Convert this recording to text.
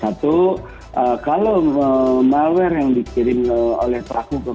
satu kalau malware yang dikirim oleh praku ke perusahaan